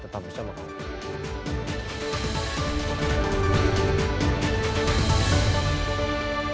tetap bersama kami